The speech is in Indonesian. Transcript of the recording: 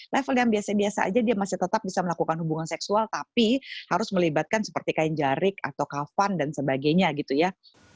level yang biasa biasa aja dia masih tetap bisa melakukan hubungan seksual tapi harus melibatkan seperti kain jarik atau kafan dan sebagainya gitu ya